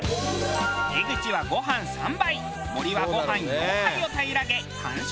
江口はご飯３杯森はご飯４杯を平らげ完食。